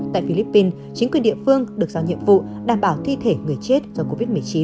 tại philippines chính quyền địa phương được giao nhiệm vụ đảm bảo thi thể người chết do covid một mươi chín